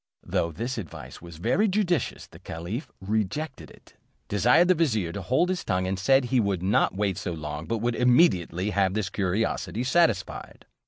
Though this advice was very judicious, the caliph rejected it, desired the vizier to hold his tongue, and said, he would not wait so long, but would immediately have his curiosity satisfied.